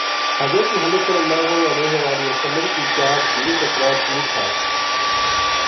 حضرت محمد ﷺ کی چار تہیں تے ترے پوت تھا۔